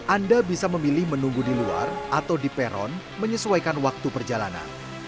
anda bisa memilih menunggu di luar atau di peron menyesuaikan waktu perjalanan